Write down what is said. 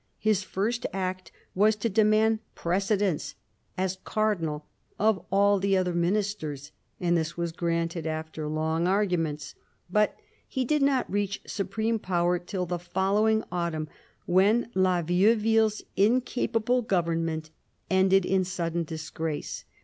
His first act was to demand precedence, as Cardinal, of all the other Ministers, and this was granted after long arguments ; but he did not reach supreme power till the following autumn, when La Vieuville's incapable government ended in sudden disgrace.